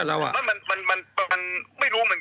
อ่ะเล่ามาเมื่อวานปวดมาก